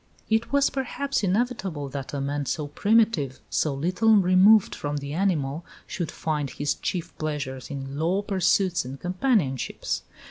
It was, perhaps, inevitable that a man so primitive, so little removed from the animal, should find his chief pleasures in low pursuits and companionships.